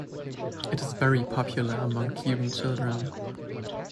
It is very popular among Cuban children.